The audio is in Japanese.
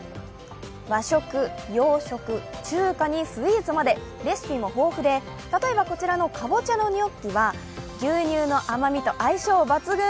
和食・洋食・中華にスイーツまでレシピも豊富で例えば、こちらのかぼちゃのニョッキは牛乳の甘みと相性抜群。